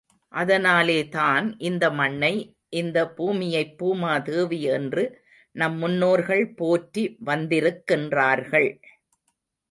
அதனாலே தான் இந்த மண்ணை, இந்த பூமியைப் பூமா தேவி என்று நம் முன்னோர்கள் போற்றி வந்திருக்கின்றார்கள்.